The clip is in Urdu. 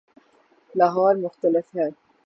لاہور مختلف ہے۔